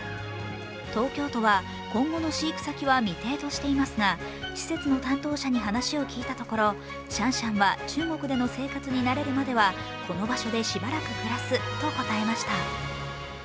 東京都は今後の飼育先は未定としていますが施設の担当者に話を聞いたところ、シャンシャンは中国での生活に慣れるまではこの場所でしばらく暮らすと答えました。